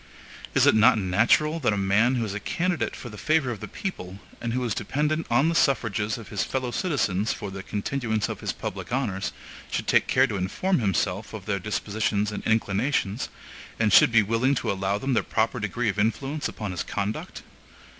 Is it not natural that a man who is a candidate for the favor of the people, and who is dependent on the suffrages of his fellow citizens for the continuance of his public honors, should take care to inform himself of their dispositions and inclinations, and should be willing to allow them their proper degree of influence upon his conduct?